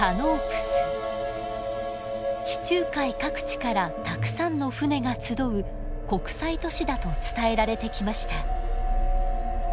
地中海各地からたくさんの船が集う国際都市だと伝えられてきました。